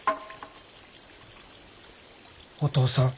お父さん。